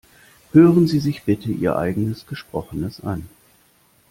Hören Sie sich bitte Ihr eigenes Gesprochenes an.